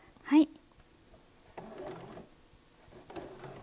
はい。